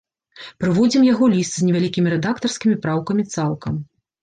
Прыводзім яго ліст з невялікімі рэдактарскімі праўкамі цалкам.